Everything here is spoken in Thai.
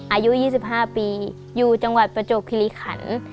อายุ๒๕ปีอยู่จังหวัดประจวบคิริขัน